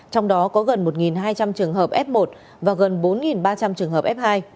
trong đó có gần một hai trăm linh trường hợp f một và gần bốn ba trăm linh trường hợp f hai